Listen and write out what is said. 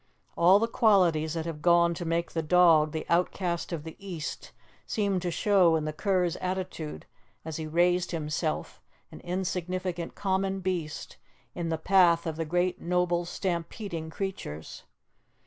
All the qualities that have gone to make the dog the outcast of the East seemed to show in the cur's attitude as he raised himself, an insignificant, common beast, in the path of the great, noble, stampeding creatures.